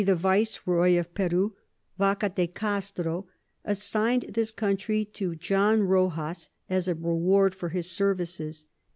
the Viceroy of Peru, Vaca de Castro, assign'd this Country to John Rojas as a Reward for his Services.